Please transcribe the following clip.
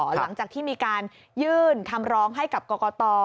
หลังจากที่มีการยื่นคำร้องให้กับกรกต